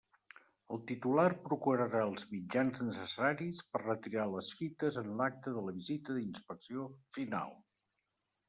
El titular procurarà els mitjans necessaris per retirar les fites en l'acte de la visita d'inspecció final.